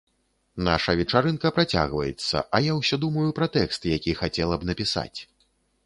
Наша вечарынка працягваецца, а я ўсё думаю пра тэкст, які хацела б напісаць.